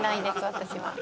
私は。